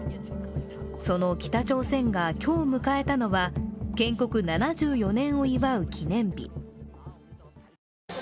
その北朝鮮が今日迎えたのは建国７４年を祝う記念日。